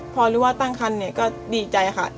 พอรู้ว่าตั้งคันก็ดีใจค่ะ